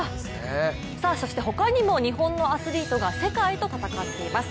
そして他にも日本のアスリートが世界と戦っています。